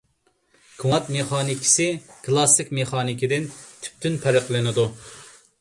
كىۋانت مېخانىكىسى كىلاسسىك مېخانىكىدىن تۈپتىن پەرقلىنىدۇ.